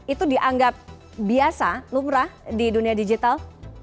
itu dianggap biasa lumrah di dunia digital